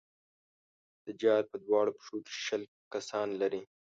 دجال په دواړو پښو کې شل کسان لري.